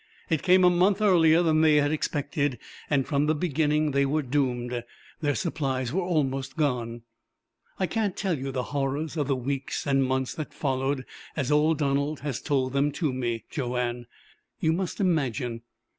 It came a month earlier than they had expected, and from the beginning they were doomed. Their supplies were almost gone. "I can't tell you the horrors of the weeks and months that followed, as old Donald has told them to me, Joanne. You must imagine.